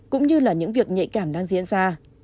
cũng như là những việc nhạy cảm đang diễn ra